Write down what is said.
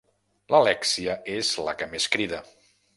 L'Alèxia és la que més crida.